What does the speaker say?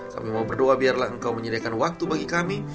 kami mau berdoa biarlah engkau menyediakan waktu bagi kami